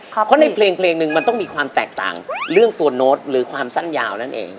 เพราะในเพลงหนึ่งมันต้องมีความแตกต่างเรื่องตัวโน้ตหรือความสั้นยาวนั่นเอง